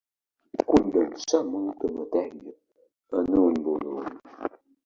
Condensar molta matèria en un volum.